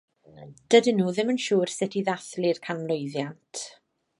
Dydyn nhw ddim yn siŵr sut i ddathlu'r canmlwyddiant.